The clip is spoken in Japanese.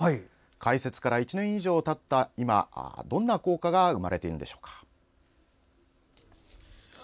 開設から１年以上がたった今どんな効果が生まれているのでしょうか。